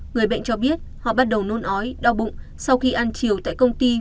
người bệnh cho biết họ bắt đầu nôn ói đau bụng sau khi ăn chiều tại công ty